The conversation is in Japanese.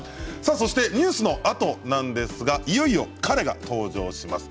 ニュースのあとなんですがいよいよ彼が登場します。